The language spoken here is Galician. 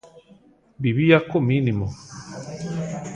Vivía co mínimo.